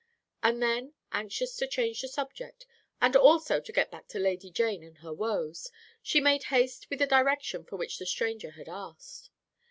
And then, anxious to change the subject, and also to get back to Lady Jane and her woes, she made haste with the direction for which the stranger had asked.